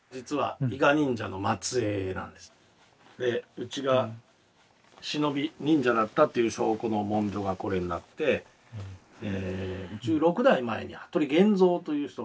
うちが忍び忍者だったという証拠の文書がこれになって１６代前に服部源蔵という人がいて。